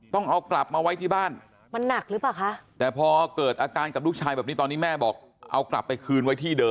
ต้องเอากลับมาไว้ที่บ้าน